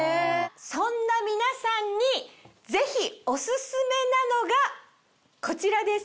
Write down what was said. そんな皆さんにぜひオススメなのがこちらです。